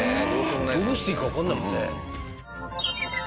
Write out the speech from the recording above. どうしていいかわかんないもんね。